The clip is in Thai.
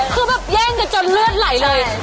คือแยกจนเลือดไหลเลยใช่